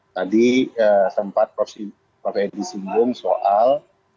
tadi sempat prof edi singgung soal